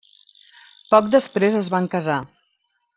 Poc després es van casar.